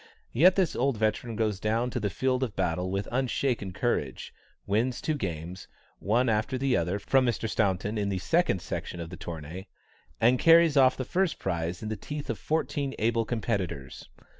Yet this old veteran goes down to the field of battle with unshaken courage, wins two games, one after the other, from Mr. Staunton in the second section of the tournay, and carries off the first prize in the teeth of fourteen able competitors.